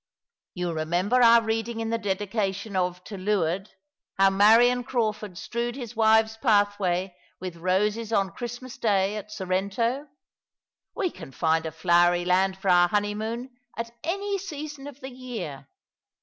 You remember our reading in the dedication of * To Leeward ' how Marion Crawford strewed bis wife's pathway with roses on Christmas Day at Sorrento. We can find a flowery land for our honeymoon at any season of the year."